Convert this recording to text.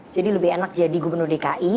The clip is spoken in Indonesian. jadi lebih enak jadi gubernur dki